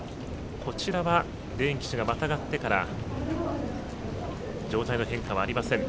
こちらはレーン騎手がまたがってから状態の変化はありません。